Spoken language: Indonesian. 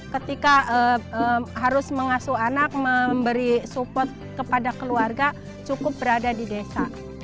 ketika harus mengasuh anak memberi support kepada keluarga cukup berada di desa